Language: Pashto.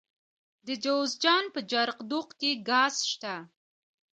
د جوزجان په جرقدوق کې ګاز شته.